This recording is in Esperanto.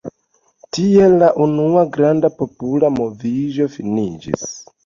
Tiel la unua granda popola moviĝo finiĝis.